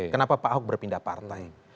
kenapa pak ahok berpindah partai